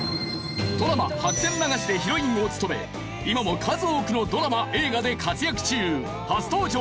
ドラマ『白線流し』でヒロインを務め今も数多くのドラマ・映画で活躍中初登場酒井美紀。